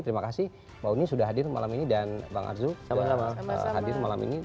terima kasih mbak uni sudah hadir malam ini dan bang arzul hadir malam ini